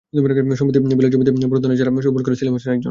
সম্প্রতি বিলের জমিতে বোরো ধানের চারা রোপণ করে সেলিম হোসেনের লোকজন।